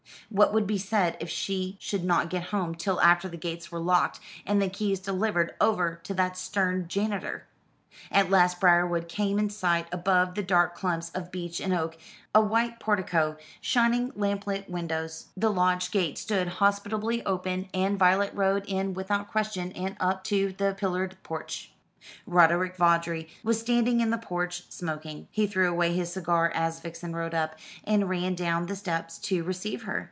What would be said if she should not get home till after the gates were locked, and the keys delivered over to that stern janitor? At last Briarwood came in sight above the dark clumps of beach and oak, a white portico, shining lamplit windows. The lodge gate stood hospitably open, and Violet rode in without question, and up to the pillared porch. Roderick Vawdrey was standing in the porch smoking. He threw away his cigar as Vixen rode up, and ran down the steps to receive her.